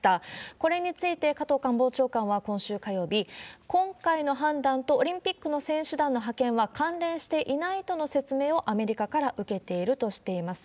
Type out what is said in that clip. これについて加藤官房長官は今週火曜日、今回の判断とオリンピックの選手団の派遣は関連していないとの説明をアメリカから受けているとしています。